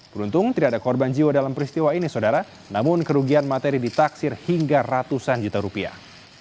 beruntung tidak ada korban jiwa dalam peristiwa ini saudara namun kerugian materi ditaksir hingga ratusan juta rupiah